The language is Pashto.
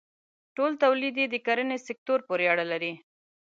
ټول تولید یې د کرنې سکتور پورې اړه لري.